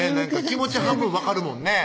気持ち半分分かるもんね